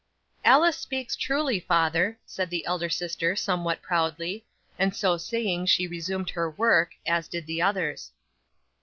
'"Alice speaks truly, father," said the elder sister, somewhat proudly. And so saying she resumed her work, as did the others.